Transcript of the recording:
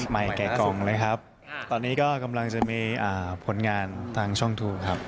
แก่กล่องเลยครับตอนนี้ก็กำลังจะมีผลงานทางช่องทูปครับ